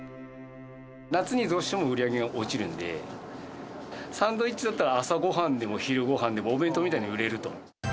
夏にどうしても売り上げが落ちるんで、サンドイッチだったら、朝ごはんでも昼ごはんでも、お弁当みたいに売れると。